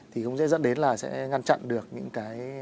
thì cũng sẽ dẫn đến là sẽ ngăn chặn được những cái